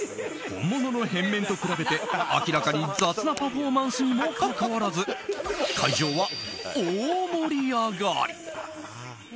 本物の変面と比べて明らかに雑なパフォーマンスにもかかわらず会場は大盛り上がり。